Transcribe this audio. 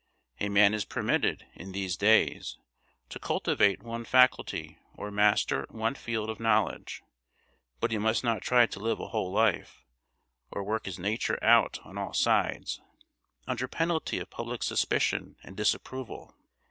A man is permitted, in these days, to cultivate one faculty or master one field of knowledge, but he must not try to live a whole life, or work his nature out on all sides, under penalty of public suspicion and disapproval.